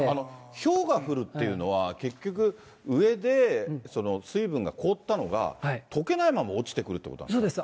ひょうが降るというのは、結局、上で水分が凍ったのが、とけないまま落ちてくるということなんですか？